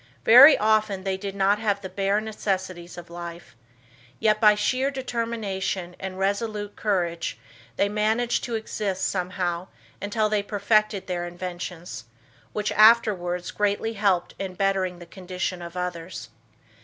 Very often they did not have the bare necessities of life, yet, by sheer determination and resolute courage, they managed to exist somehow until they perfected their inventions, which afterwards greatly helped in bettering the condition of others.